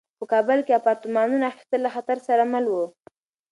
په کابل کې د اپارتمانونو اخیستل له خطر سره مل وو.